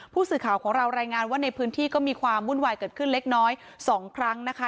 ผู้สื่อข่าวของเรารายงานว่าในพื้นที่ก็มีความวุ่นวายเกิดขึ้นเล็กน้อย๒ครั้งนะคะ